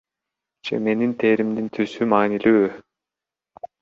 Же менин теримдин түсү маанилүүбү?